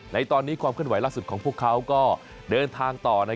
ในตอนนี้ความเคลื่อนไหวล่าสุดของพวกเขาก็เดินทางต่อ